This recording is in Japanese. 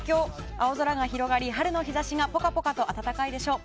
青空が広がり、春の日差しがぽかぽかと暖かいでしょう。